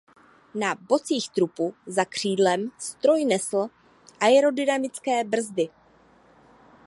Na bocích trupu za křídlem stroj nesl aerodynamické brzdy.